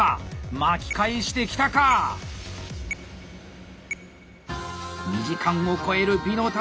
巻き返してきたか⁉２時間を超える「美の戦い」